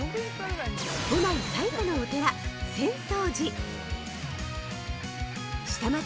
都内最古のお寺・浅草寺下町